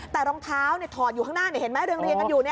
แต่รองเท้าเนี่ยถอดอยู่ข้างหน้าเนี่ยเห็นไหมเรียงกันอยู่เนี่ย